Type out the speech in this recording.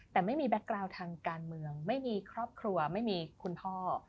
แต่ไม่มีแก๊กกราวทางการเมืองไม่มีครอบครัวไม่มีคุณพ่อ